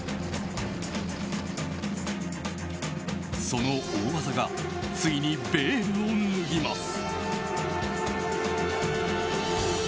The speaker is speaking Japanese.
その大技がついにベールを脱ぎます。